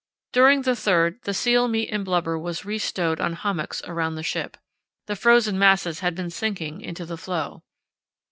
During the 3rd the seal meat and blubber was re stowed on hummocks around the ship. The frozen masses had been sinking into the floe.